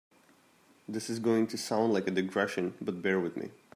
This is going to sound like a digression, but bear with me.